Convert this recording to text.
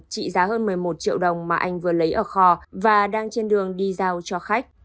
trị giá hơn một mươi một triệu đồng mà anh vừa lấy ở kho và đang trên đường đi giao cho khách